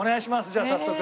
じゃあ早速。